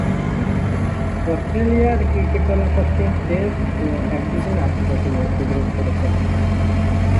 Australia cricket দলের পক্ষে test ও একদিনের আন্তর্জাতিকে অংশগ্রহণ করেছেন।